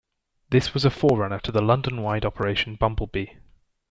This was a forerunner to the London - wide Operation Bumblebee.